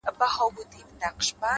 • چي څوك تا نه غواړي،